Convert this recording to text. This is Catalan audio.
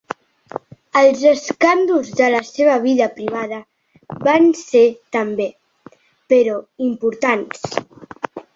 Els escàndols de la seva vida privada van ser també, però, importants.